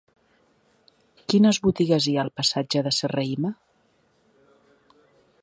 Quines botigues hi ha al passatge de Serrahima?